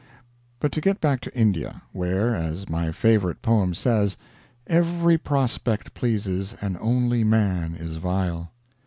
But to get back to India where, as my favorite poem says "Every prospect pleases, And only man is vile."